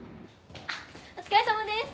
お疲れさまです。